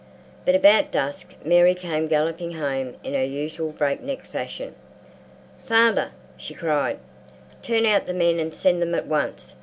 But, about dusk, Mary came galloping home in her usual breakneck fashion. "Father," she cried, "turn out the men and send them at once.